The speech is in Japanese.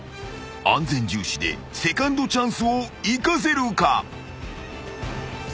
［安全重視でセカンドチャンスを生かせるか？］